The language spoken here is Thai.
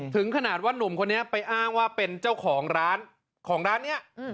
ถึงขนาดว่านุ่มคนนี้ไปอ้างว่าเป็นเจ้าของร้านของร้านนี้